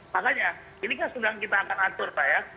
makanya ini kan sudah kita akan atur pak ya